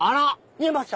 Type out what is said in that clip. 見えました？